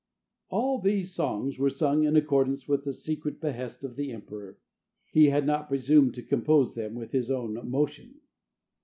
All these songs were sung in accordance with the secret behest of the emperor. He had not presumed to compose them with his own motion.